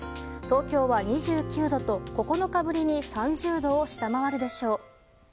東京は２９度と、９日ぶりに３０度を下回るでしょう。